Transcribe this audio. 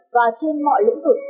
và trên mọi lĩnh vực